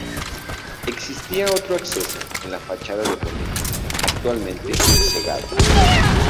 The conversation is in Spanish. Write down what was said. Existía otro acceso en la fachada de poniente, actualmente cegado.